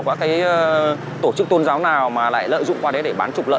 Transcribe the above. các cái tổ chức tôn giáo nào mà lại lợi dụng qua đấy để bán trục lợi